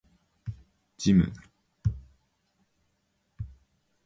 ジム